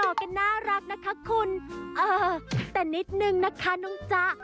แหมหยอกกันน่ารักนะคะคุณแต่นิดนึงนะคะนุ้งจ๊ะ